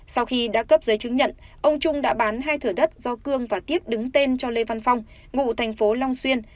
sau khi đã cấp giới chứng nhận ông trung đã bán hai thửa đất do cương và tiếp đứng tên cho lê văn phong ngụ tp long xuyên